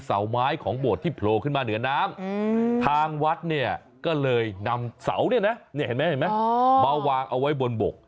เสาไม้ของโบสถ์ที่โผล่ขึ้นมาเหนือน้ำทางวัดก็เลยนำเสาเบาวางเอาไว้บนบก